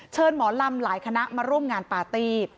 หมอลำหลายคณะมาร่วมงานปาร์ตี้